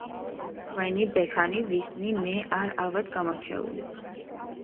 ვთქვენი ქებანი ვისნი მე არ-ავად გამორჩეული